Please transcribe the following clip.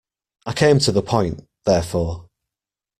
I came to the point, therefore.